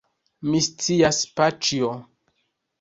Mi scias, paĉjo.